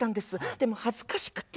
でも恥ずかしくて。